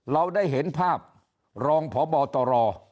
เราได้เห็นภาพรองพบตร